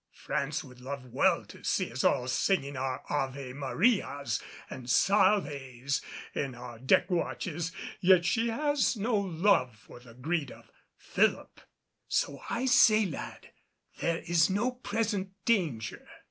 France would love well to see us all singing our ave Marias and salves in our deck watches, yet she has no love for the greed of Philip. So I say, lad, there is no present danger."